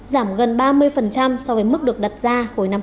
giảm gần ba mươi so với mức được đặt ra hồi năm hai nghìn hai